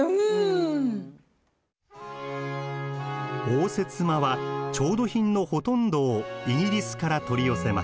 応接間は調度品のほとんどをイギリスから取り寄せました。